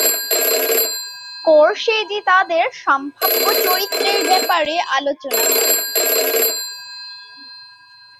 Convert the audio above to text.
Scorsese তাদের সম্ভাব্য চরিত্রের ব্যাপারে আলোচনা করে।